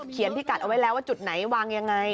พิกัดเอาไว้แล้วว่าจุดไหนวางยังไง